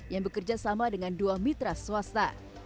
yang bekerja sama dengan dua mitra swasta